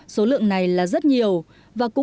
số lượng này là rất nhiều